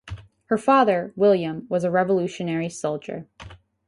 Her father, William, was a Revolutionary Soldier.